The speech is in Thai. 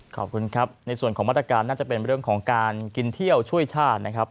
ขอบคุณครับในส่วนของมาตรการน่าจะเป็นเรื่องของการกินเที่ยวช่วยชาตินะครับ